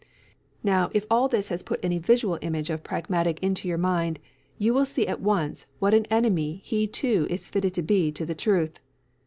Now, if all that has put any visual image of Pragmatic into your mind, you will see at once what an enemy he too is fitted to be to the truth.